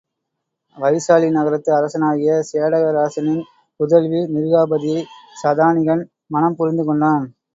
வைசாலி நகரத்து அரசனாகிய சேடக ராசனின் புதல்வி மிருகாபதியைச் சதானிகன் மணம் புரிந்துகொண்டான்.